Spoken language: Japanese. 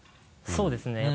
そうですね